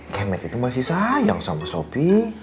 kemet itu masih sayang sama shopee